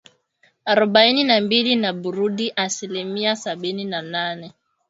Arobaini na mbili na Burundi asilimia sabini na nane.